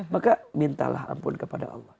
maka mintalah ampun kepada allah